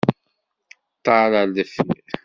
Ṭṭal ar deffir.